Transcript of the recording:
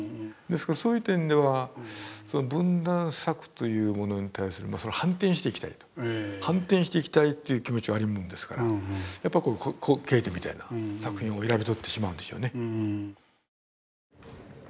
ですからそういう点では分断策というものに対するそれを反転していきたいと反転していきたいという気持ちがあるものですからやっぱりケーテみたいな作品を選び取ってしまうんでしょうね。